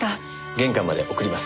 玄関まで送ります。